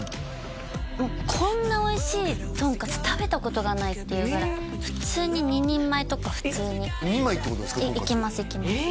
もうこんなおいしいとんかつ食べたことがないっていうぐらい普通に２人前とか普通に２枚ってことですかいきますいきます